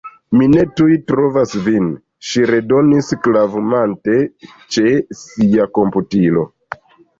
Mi ne tuj trovas vin, ŝi redonis, klavumante ĉe sia komputilo.